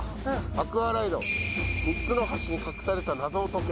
「アクアライド３つの橋に隠された謎を解け！」